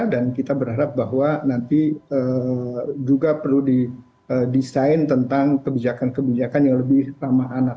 dan kita berharap bahwa nanti juga perlu di desain tentang kebijakan kebijakan yang lebih ramah anak